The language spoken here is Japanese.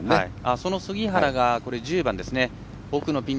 その杉原が１０番ですね。